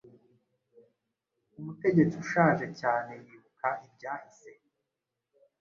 Umutegetsi ushaje cyane yibuka ibyahise